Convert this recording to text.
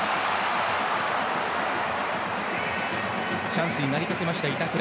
チャンスになりかけました板倉。